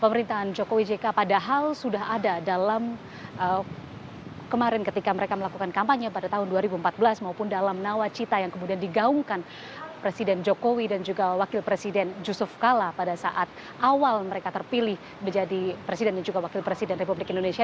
pemerintahan jokowi jk padahal sudah ada dalam kemarin ketika mereka melakukan kampanye pada tahun dua ribu empat belas maupun dalam nawacita yang kemudian digaungkan presiden jokowi dan juga wakil presiden yusuf kala pada saat awal mereka terpilih menjadi presiden dan juga wakil presiden republik indonesia